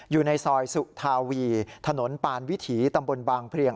อยู่ในซอยสุธาวีถนนปานวิถีตำบลบางเพลียง